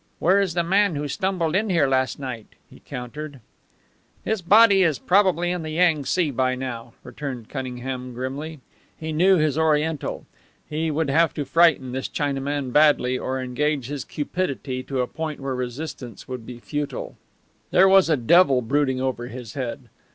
"Where is the man who stumbled in here last night?" he countered. "His body is probably in the Yang tse by now," returned Cunningham, grimly. He knew his Oriental. He would have to frighten this Chinaman badly, or engage his cupidity to a point where resistance would be futile. There was a devil brooding over his head.